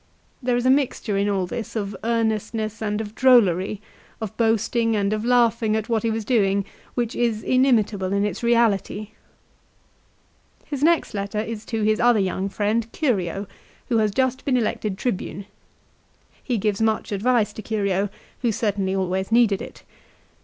There is a mixture in all this of earnestness and of drollery, of boasting and of laughing at what he was doing, which is inimitable in its reality. His next letter is to his other young friend Curio, who has just been elected Tribune. He gives much advice to Curio, who certainly always needed it.